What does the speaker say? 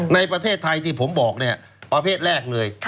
ในประเทศไทยที่ผมบอกเนี่ยประเภทแรกเลย